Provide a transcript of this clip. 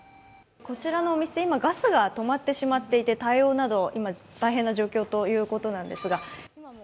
こちらのお店、今ガスが止まってしまっていて対応など今、大変な状況ということなんですが。